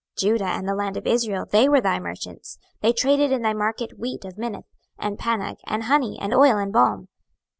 26:027:017 Judah, and the land of Israel, they were thy merchants: they traded in thy market wheat of Minnith, and Pannag, and honey, and oil, and balm.